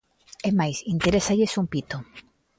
É máis, interésalles un pito.